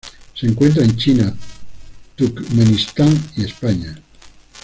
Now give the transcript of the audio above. Se encuentra en China, Turkmenistán, y España.